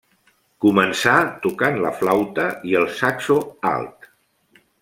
Començà tocant la flauta i el saxo alt.